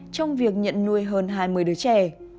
trong việc nhận nuôi hơn hai mươi đứa trẻ